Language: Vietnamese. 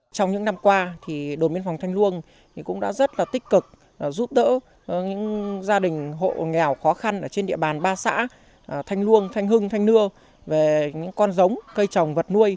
trong những năm qua thì đồn biên phòng thanh luông cũng đã rất là tích cực giúp đỡ những gia đình hộ nghèo khó khăn ở trên địa bàn ba xã thanh luông thanh hưng thanh nưa về những con giống cây trồng vật nuôi